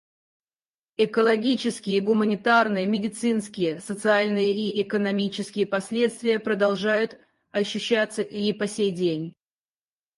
Экологические, гуманитарные, медицинские, социальные и экономические последствия продолжают ощущаться и по сей день.